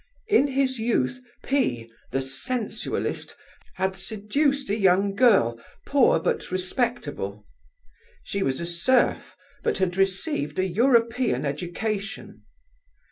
In his youth P——, the sensualist, had seduced a young girl, poor but respectable. She was a serf, but had received a European education.